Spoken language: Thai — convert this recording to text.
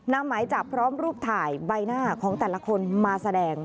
หมายจับพร้อมรูปถ่ายใบหน้าของแต่ละคนมาแสดง